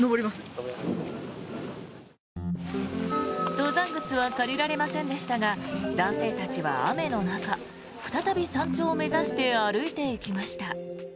登山靴は借りられませんでしたが男性たちは雨の中再び山頂を目指して歩いていきました。